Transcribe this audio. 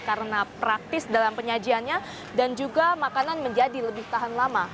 karena praktis dalam penyajiannya dan juga makanan menjadi lebih tahan lama